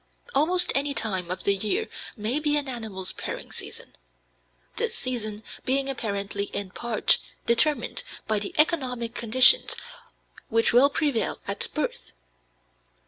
Almost any time of the year may be an animal's pairing season, this season being apparently in part determined by the economic conditions which will prevail at birth.